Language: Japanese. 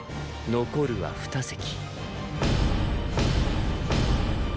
残るは一席。